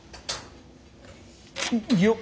よっ。